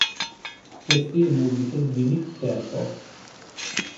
Testi e musiche di Nik Kershaw.